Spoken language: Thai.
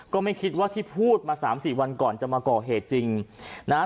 ก็ไม่คิดว่าที่พูดมาสามสี่วันก่อนจะมาก่อเหตุจริงนะฮะ